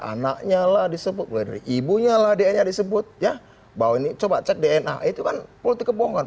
anaknya lah disebut ibunya lah dna disebut ya bahwa ini coba cek dna itu kan politik kebohongan